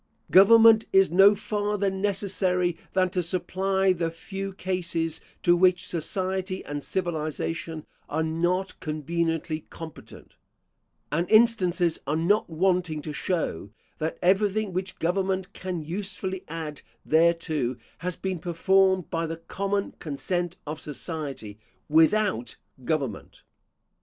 Government is no farther necessary than to supply the few cases to which society and civilisation are not conveniently competent; and instances are not wanting to show, that everything which government can usefully add thereto, has been performed by the common consent of society, without government.